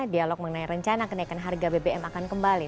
dialog mengenai rencana kenaikan harga bbm akan kembali